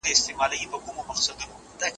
خلک اوس ارام ناست دي.